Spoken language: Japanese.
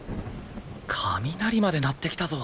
雷まで鳴ってきたぞ。